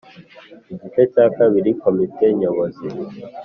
Igice cya kabiri komite nyobozi